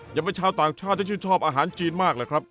อย่างเป็นชาวต่างชาติที่ชื่นชอบอาหารจีนมากเลยครับ